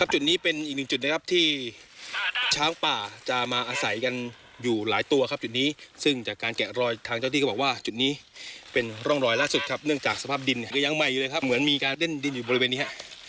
จุดนี้เป็นอีกหนึ่งจุดนะครับที่ช้างป่าจะมาอาศัยกันอยู่หลายตัวครับจุดนี้ซึ่งจากการแกะรอยทางเจ้าที่ก็บอกว่าจุดนี้เป็นร่องรอยล่าสุดครับเนื่องจากสภาพดินเนี่ยก็ยังใหม่อยู่เลยครับเหมือนมีการเล่นดินอยู่บริเวณนี้